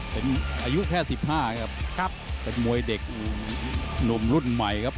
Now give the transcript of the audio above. เป็นอายุแค่๑๕ครับเป็นมวยเด็กหนุ่มรุ่นใหม่ครับ